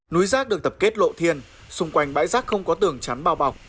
núi rác được tập kết lộ thiên xung quanh bãi rác không có tường chắn bao bọc